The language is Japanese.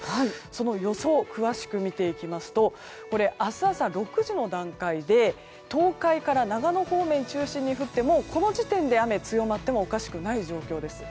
その予想を詳しく見ていきますと明日朝６時の段階で東海から長野方面を中心に降ってこの時点でもう雨が強まってもおかしくない状況です。